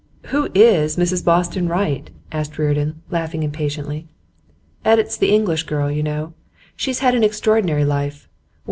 'Who IS Mrs Boston Wright?' asked Reardon, laughing impatiently. 'Edits The English Girl, you know. She's had an extraordinary life.